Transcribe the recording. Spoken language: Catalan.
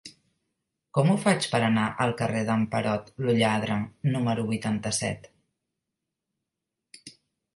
Com ho faig per anar al carrer d'en Perot lo Lladre número vuitanta-set?